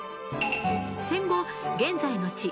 戦後現在の地